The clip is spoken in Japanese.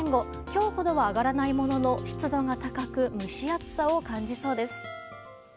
今日ほどは上がらないものの湿度が高く蒸し暑さを感じそうです。